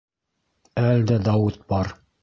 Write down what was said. Әлдә Дауыт бар.